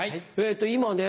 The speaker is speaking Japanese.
今ね